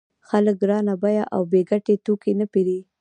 خلک ګران بیه او بې ګټې توکي نه پېري